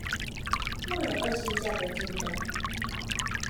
若有惡性價格競爭